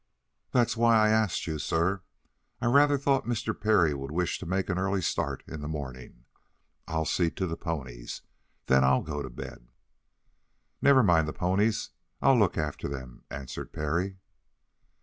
"That's why I asked you, sir. I rather thought Mr. Parry would wish to make an early start in the morning. I'll see to the ponies; then I'll go to bed." "Never mind the ponies. I'll look after them," answered Parry.